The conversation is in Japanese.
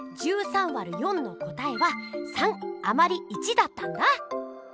１３÷４の答えは３あまり１だったんだ！